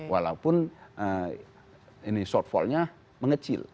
walaupun ini shortfallnya mengecil